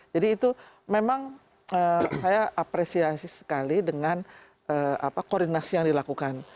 jadi itu memang saya apresiasi sekali dengan koordinasi yang dilakukan